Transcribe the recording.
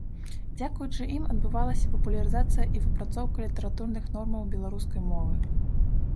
Дзякуючы ім адбываліся папулярызацыя і выпрацоўка літаратурных нормаў беларускай мовы.